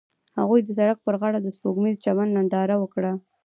هغوی د سړک پر غاړه د سپوږمیز چمن ننداره وکړه.